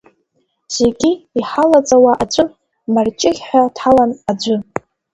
Зегьы иҳалаҵауа аҵәы, марҷыӷь ҳәа дҳалан аӡәы.